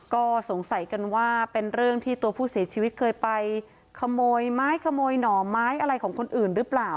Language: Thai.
ก็สงสัยกันว่าเป็นเรื่องที่ตัวผู้เสียชีวิตเคยไปขโมยไม้ขโมยหน่อไม้อะไรของคนอื่นหรือเปล่า